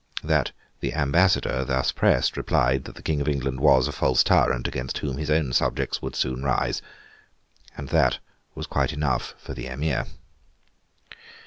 That the ambassador, thus pressed, replied that the King of England was a false tyrant, against whom his own subjects would soon rise. And that this was quite enough for the Emir.